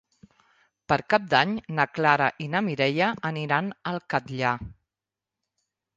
Per Cap d'Any na Clara i na Mireia aniran al Catllar.